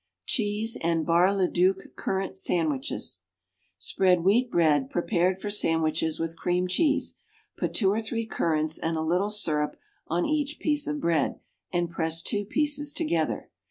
=Cheese and Bar le Duc Currant Sandwiches.= Spread wheat bread, prepared for sandwiches, with cream cheese; put two or three currants and a little syrup on each piece of bread, and press two pieces together.